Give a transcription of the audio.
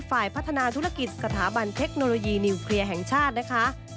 ฝ่ายพัฒนาธุรกิจสถาบันเทคโนโลยีนิวเคลียร์แห่งชาตินะคะ